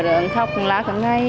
rồi con khóc con lá con ngây